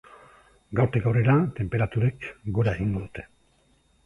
Gaurtik aurrera, tenperaturek gora egingo dute.